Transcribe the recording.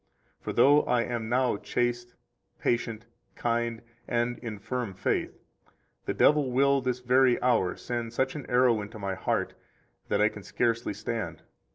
For though I am now chaste, patient, kind, and in firm faith, the devil will this very hour send such an arrow into my heart that I can scarcely stand.